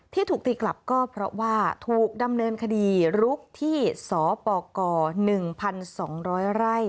ที่ถูกตีกลับก็เพราะว่าถูกดำเนินคดีลุกที่สปก๑๒๐๐ไร่